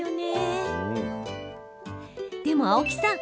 でも青木さん